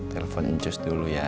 telepon jus dulu ya